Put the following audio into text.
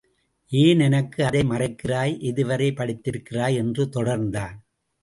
ஏன் எனக்கு அதை மறைக்கிறாய்? எதுவரை படித்திருக்கிறாய்? என்று தொடர்ந்தான்.